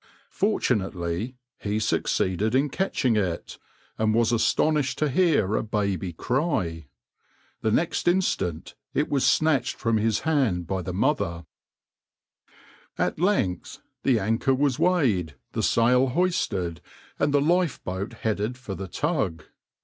Fortunately, he succeeded in catching it, and was astonished to hear a baby cry. The next instant it was snatched from his hand by the mother.\par At length the anchor was weighed, the sail hoisted, and the lifeboat headed for the tug.